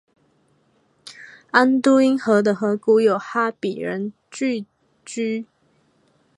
安都因河的河谷有哈比人聚居。